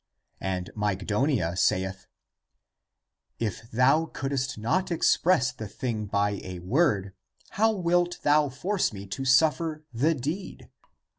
And Mygdonia saith, " If thou couldst not express the thing by a word, how wilt thou force me to suffer the deed